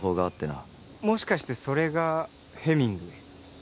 もしかしてそれがヘミングウェイ？